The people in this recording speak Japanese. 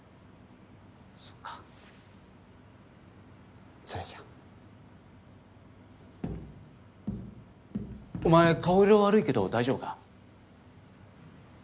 そっかそれじゃお前顔色悪いけど大丈夫か？